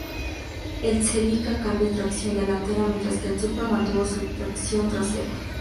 El Celica cambia a tracción delantera, mientras que el Supra mantuvo su tracción trasera.